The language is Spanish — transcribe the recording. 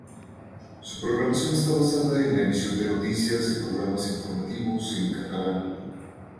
Su programación está basada en la emisión de noticias y programas informativos en catalán.